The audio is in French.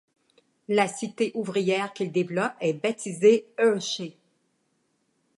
La cité ouvrière qu'il développe est baptisée Hershey.